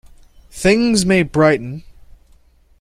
Things may brighten.